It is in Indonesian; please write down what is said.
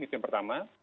itu yang pertama